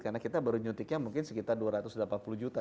karena kita baru nyutiknya mungkin sekitar dua ratus delapan puluh juta